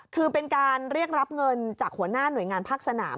คือเป็นการเรียกรับเงินจากหัวหน้าหน่วยงานภาคสนาม